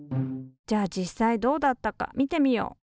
じゃあ実際どうだったか見てみよう。